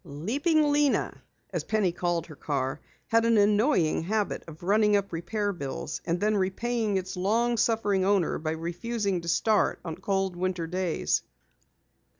"Leaping Lena," as Penny called her car, had an annoying habit of running up repair bills, and then repaying its long suffering owner by refusing to start on cold winter days.